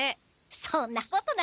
そんなことないよ。